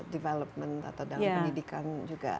development atau dalam pendidikan juga